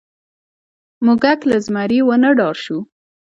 موږک له زمري ونه ډار شو.